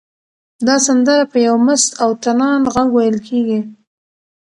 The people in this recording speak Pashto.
دا سندره په یو مست او طنان غږ ویل کېږي.